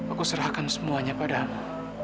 aku serahkan semuanya padamu